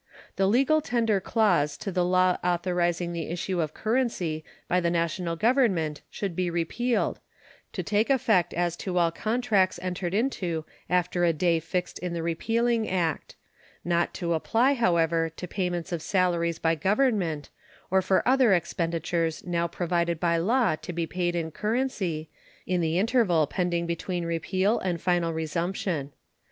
The legal tender clause to the law authorizing the issue of currency by the National Government should be repealed, to take effect as to all contracts entered into after a day fixed in the repealing act not to apply, however, to payments of salaries by Government, or for other expenditures now provided by law to be paid in currency, in the interval pending between repeal and final resumption.